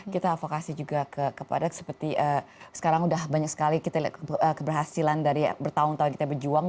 kita avokasi juga kepada seperti sekarang sudah banyak sekali kita lihat keberhasilan dari bertahun tahun kita berjuang